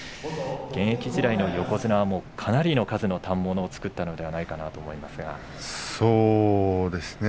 現役時代の横綱はかなりの数の反物を作ったのではないかと思いそうですね。